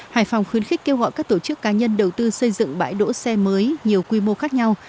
hải phòng khuyến khích kêu gọi các tổ chức cá nhân đầu tư xây dựng bãi đỗ xe mới nhiều quy mô khác nhau